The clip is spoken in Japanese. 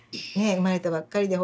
生まれたばっかりでほら